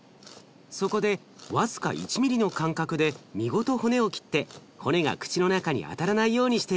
そこで僅か１ミリの間隔で身ごと骨を切って骨が口の中に当たらないようにしているのです。